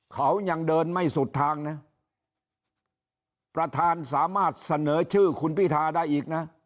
เขายังเดินไม่สุดทางนะประธานสามารถเสนอชื่อคุณพิธาได้อีกนะ